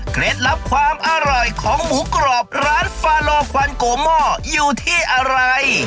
ลับความอร่อยของหมูกรอบร้านฟาโลควันโกหม้ออยู่ที่อะไร